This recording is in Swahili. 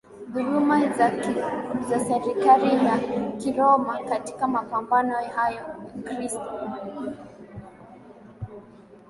dhuluma za serikali ya Kiroma Katika mapambano hayo Wakristo